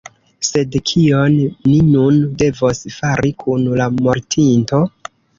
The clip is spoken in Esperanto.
Sed kion ni nun devos fari kun la mortinto?